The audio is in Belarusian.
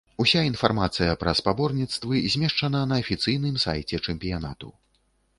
Уся інфармацыя пра спаборніцтвы змешчана на афіцыйным сайце чэмпіянату.